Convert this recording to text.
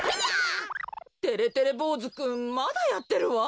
てれてれぼうずくんまだやってるわ。